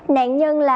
nạn nhân là